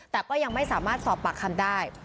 แต่ก็ยังไม่สามารถสอบปากคำได้